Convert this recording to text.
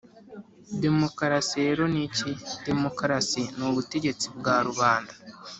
“demokarasi rero ni iki? demokarasi ni ubutegetsi bwa rubanda.”